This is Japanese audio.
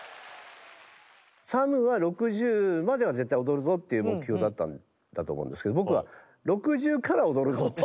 ＳＡＭは６０までは絶対踊るぞっていう目標だったんだと思うんですけど僕は６０から踊るぞと。